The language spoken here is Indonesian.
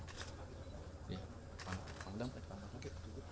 ini sedang didata oleh baik dari kodam jaya maupun dari bpbd